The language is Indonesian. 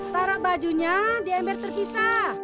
taruh bajunya di ember terpisah